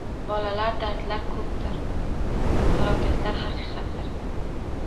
Balolar, dardlar koʻpdir, falokatlar haqiqatdir